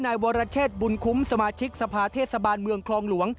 นายวรเชษบุญคุ้มสมาชิกสภาเทศบาลเมืองคลองหลวง